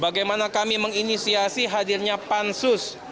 bagaimana kami menginisiasi hadirnya pansus